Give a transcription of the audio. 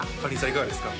いかがですか？